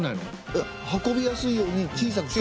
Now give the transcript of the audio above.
えっ運びやすいように小さくした。